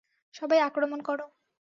সবাই আক্রমণ কর।